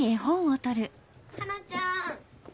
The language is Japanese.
ハナちゃん！